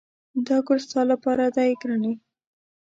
دا ګل ستا لپاره دی ګرانې!